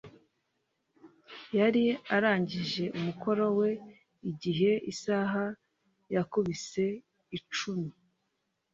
yari arangije umukoro we igihe isaha yakubise icumi